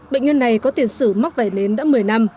bệnh nhân này có tiền sử mắc vẩy nến đã một mươi năm